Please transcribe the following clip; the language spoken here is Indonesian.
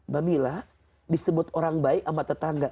bamiila disebut orang baik sama tetangga